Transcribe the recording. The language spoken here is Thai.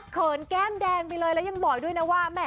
เขินแก้มแดงไปเลยแล้วยังบอกด้วยนะว่าแม่